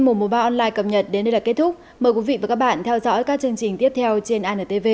mùa ba online cập nhật đến đây là kết thúc mời quý vị và các bạn theo dõi các chương trình tiếp theo trên antv xin kính chào tạm biệt